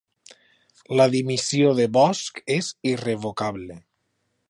La dimissió de Bosch és irrevocable